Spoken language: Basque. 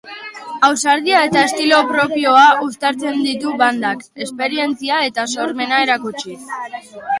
Ausardia eta estilo propioa uztartzen ditu bandak, esperientzia eta sormena erakutsiz.